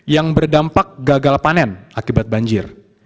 yang berdampak gagal panen akibat banjir